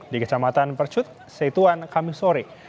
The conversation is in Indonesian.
di kecamatan percut setuan kamisore